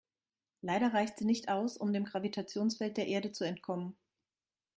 Leider reicht sie nicht aus, um dem Gravitationsfeld der Erde zu entkommen.